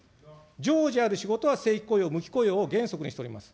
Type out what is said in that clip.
常時ある仕事は正規雇用、無期雇用を原則にしております。